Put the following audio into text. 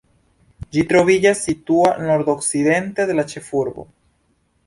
Ĝi troviĝas situa nordokcidente de la ĉefurbo.